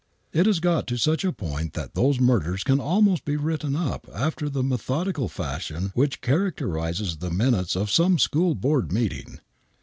It has got to such a point that those murders can almost be written up after the methodical fashion which characterizes the minutes of scme school board meeting.